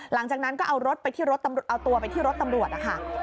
หลังจากนั้นก็เอารถไปที่รถตำรวจเอาตัวไปที่รถตำรวจนะคะ